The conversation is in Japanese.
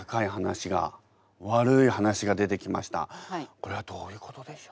これはどういうことでしょう？